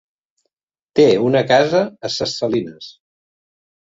Té una casa a Ses Salines.